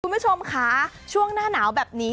คุณผู้ชมค่ะช่วงหน้าหนาวแบบนี้